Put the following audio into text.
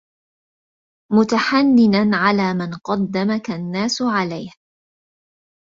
مُتَحَنِّنًا عَلَى مَنْ قَدَّمَك النَّاسُ عَلَيْهِ